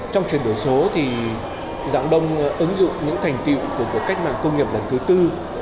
trong chuyển đổi số thì dạng đông ứng dụng những thành tiệu của cuộc cách mạng công nghiệp lần thứ tư